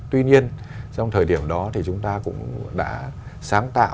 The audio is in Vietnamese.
tuy nhiên trong thời điểm đó thì chúng ta cũng đã sáng tạo